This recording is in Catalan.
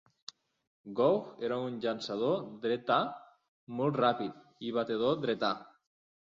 Gough era un llançador dretà molt ràpid i batedor dretà.